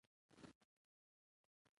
په طریقه له کومې اوښې شیدې ورته راولوشه،